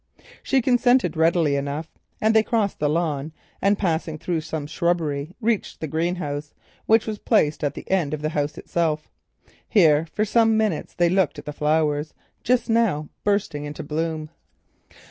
She consented readily enough. They crossed the lawn, and passing through some shrubbery reached the greenhouse, which was placed at the end of the Castle itself. Here for some minutes they looked at the flowers, just now bursting into bloom.